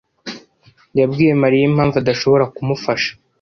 yabwiye Mariya impamvu adashobora kumufasha?